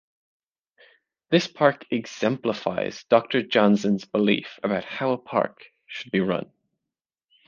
This park exemplifies Doctor Janzen's beliefs about how a park should be run.